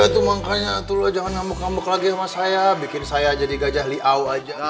ya itu makanya atur jangan ngambek ngambek lagi sama saya bikin saya jadi gajah liau aja